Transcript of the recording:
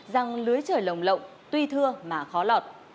rằng lưới trời lồng lộng tuy thưa mà khó lọt